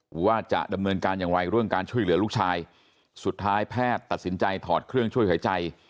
ว่าจะดำเนินการอย่างไรเรื่องการช่วยเหลือลูกชายสุดท้ายแพทย์ตัดสินใจถอดเครื่องช่วยหายใจ